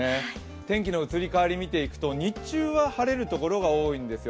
天気の移り変わり見ていくと、日中は晴れる所が多いんですよ。